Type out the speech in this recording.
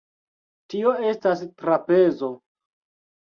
Tio estas trapezo.